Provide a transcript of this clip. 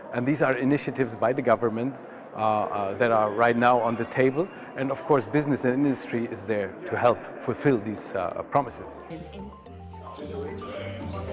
dan ini adalah inisiatif dari pemerintah yang sekarang di atas tabel dan tentu saja bisnis dan industri ada di sana untuk membantu memenuhi perjanjian ini